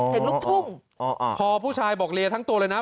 อ๋อเพลงลุกทุ่งอ๋ออ๋อพอผู้ชายบอกเรียทั้งตัวเลยนะ